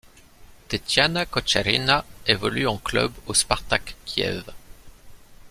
Tetiana Kocherhina évolue en club au Spartak Kiev.